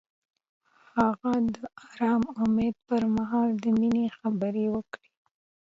هغه د آرام امید پر مهال د مینې خبرې وکړې.